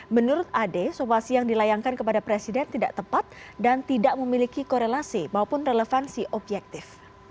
menurut ade somasi yang dilayangkan kepada presiden tidak tepat dan tidak memiliki korelasi maupun relevansi objektif